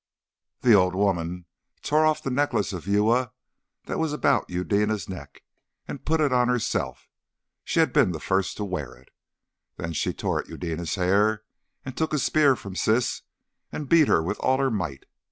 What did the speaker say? The old woman tore off the necklace of Uya that was about Eudena's neck, and put it on herself she had been the first to wear it. Then she tore at Eudena's hair, and took a spear from Siss and beat her with all her might.